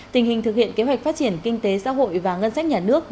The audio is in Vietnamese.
tình hình thực hiện kế hoạch phát triển kinh tế xã hội và ngân sách nhà nước